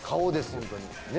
本当に。